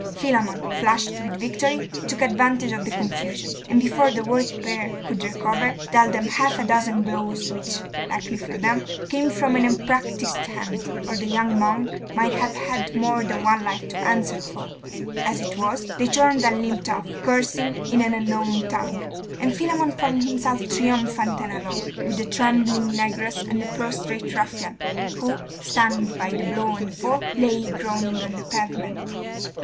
Philammon, flushed with victory, took advantage of the confusion, and before the worthy pair could recover, dealt them half a dozen blows which, luckily for them, came from an unpractised hand, or the young monk might have had more than one life to answer for. As it was, they turned and limped off, cursing in an unknown tongue; and Philammon found himself triumphant and alone, with the trembling negress and the prostrate ruffian, who, stunned by the blow and the fall, lay groaning on the pavement.